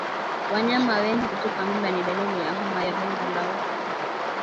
Wanyama wengi kutupa mimba ni dalili ya homa ya bonde la ufa